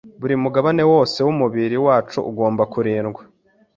Buri mugabane wose w’umubiri wacu ugomba kurindwa